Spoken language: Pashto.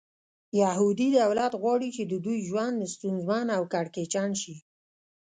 یهودي دولت غواړي چې د دوی ژوند ستونزمن او کړکېچن شي.